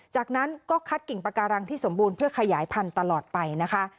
จากนั้นก็คัดกิ่งปาการังที่สมบูรณ์เพื่อขยายพันธุ์ตลอดไปนะคะ